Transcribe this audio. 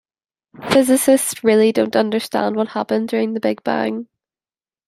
Physicists really don't understand what happened during the big bang